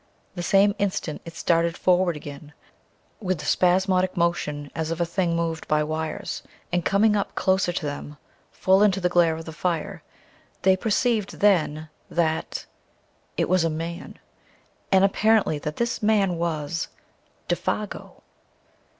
The same instant it started forward again with the spasmodic motion as of a thing moved by wires, and coming up closer to them, full into the glare of the fire, they perceived then that it was a man; and apparently that this man was Défago.